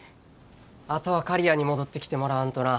あとは刈谷に戻ってきてもらわんとな。